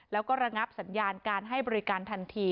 แล้วก็ระงับสัญญาณการให้บริการทันที